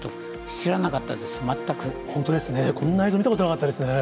知らなかったです、本当ですね、こんな映像見たことなかったですね。